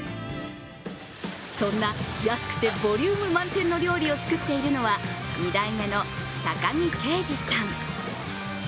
そんな安くてボリューム満点の料理を作っているのは、２代目の高木啓司さん。